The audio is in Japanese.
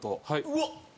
うわっ